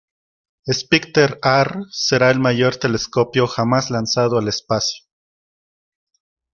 Spektr-R será el mayor telescopio jamás lanzado al espacio.